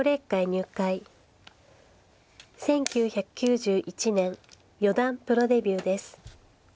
１９９１年四段プロデビューです。